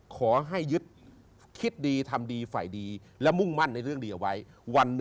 ขอให้ยึดคิดดีทำดีฝ่ายดีและมุ่งมั่นในเรื่องดีเอาไว้